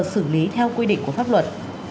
xử lý theo quy định của pháp luật